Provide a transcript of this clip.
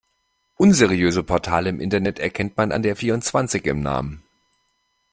Unseriöse Portale im Internet erkennt man an der vierundzwanzig im Namen.